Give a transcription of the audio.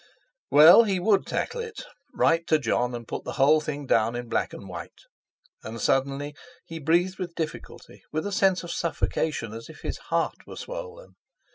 Well! he would tackle it, write to Jon, and put the whole thing down in black and white! And suddenly he breathed with difficulty, with a sense of suffocation, as if his heart were swollen.